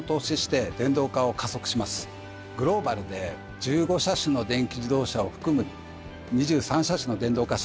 グローバルで１５車種の電気自動車を含む２３車種の電動化